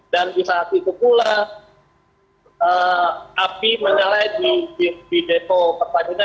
dan di saat itu pula api menyalai di depo pertanjena